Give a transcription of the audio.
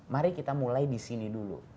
mari kita mulai di sini dulu